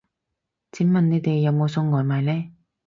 請問你哋有冇送外賣呢